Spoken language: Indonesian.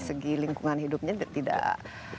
segi lingkungan hidupnya tidak